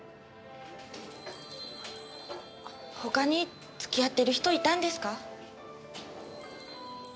他に付き合ってる人いたんですか？